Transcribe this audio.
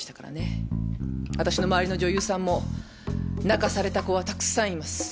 私の周りの女優さんも泣かされた子はたくさんいます。